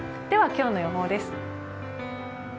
では今日の予報です。